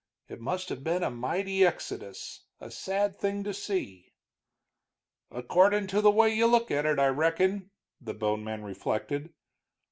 It must have been a mighty exodus, a sad thing to see." "Accordin' to the way you look at it, I reckon," the bone man reflected.